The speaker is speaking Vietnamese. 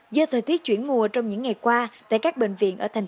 do thời tiết chuyển mùa trong những ngày qua tại các bệnh viện ở tp hcm